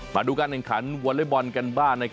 มาดูการแข่งขันวอเล็กบอลกันบ้าง